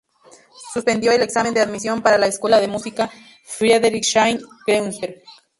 Suspendió el examen de admisión para la escuela de música Friedrichshain-Kreuzberg.